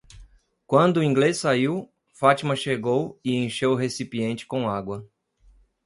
Quando o inglês saiu, Fátima chegou e encheu o recipiente com água.